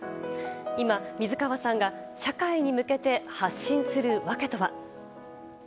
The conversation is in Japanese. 今、水川さんが社会に向けて発信する訳とは？